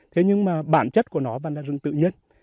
thế nhưng mà bản chất của nó vẫn là rừng tự nhiên